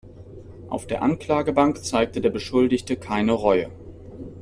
Auf der Anklagebank zeigte der Beschuldigte keine Reue.